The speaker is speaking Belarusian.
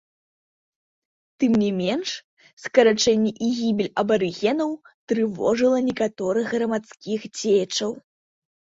Тым не менш, скарачэнне і гібель абарыгенаў трывожыла некаторых грамадскіх дзеячаў.